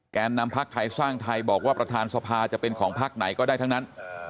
นำพักไทยสร้างไทยบอกว่าประธานสภาจะเป็นของพักไหนก็ได้ทั้งนั้น